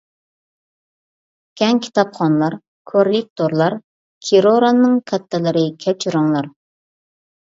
كەڭ كىتابخانلار، كوررېكتورلار، كىروراننىڭ كاتتىلىرى كەچۈرۈڭلار!